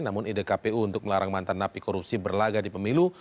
namun ide kpu untuk melarang mantan napi korupsi berlagak di pemilu